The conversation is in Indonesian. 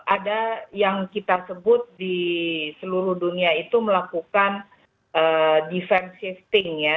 ada yang kita sebut di seluruh dunia itu melakukan defense shifting ya